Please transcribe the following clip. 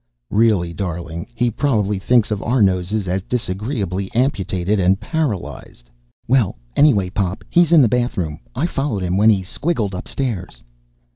"Really, darling! He probably thinks of our noses as disagreeably amputated and paralyzed." "Well, anyway, Pop, he's in the bathroom. I followed him when he squiggled upstairs."